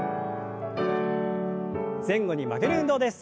前後に曲げる運動です。